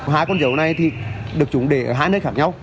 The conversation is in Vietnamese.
hai con dấu này thì được chúng để ở hai nơi khác nhau